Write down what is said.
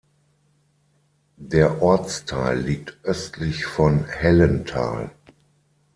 Der Ortsteil liegt östlich von Hellenthal.